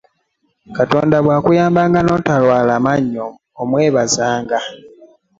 Katonda bwakuyamba notalwala mannyo omwebazanga.